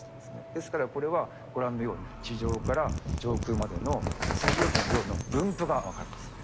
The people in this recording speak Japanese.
ですからこれはご覧のように地上から上空までの水蒸気の量の分布が分かるんですね。